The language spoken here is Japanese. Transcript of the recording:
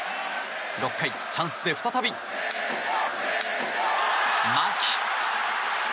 ６回、チャンスで再び、牧。